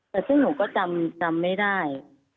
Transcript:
แต่ซึ่งหนูก็จำไม่ได้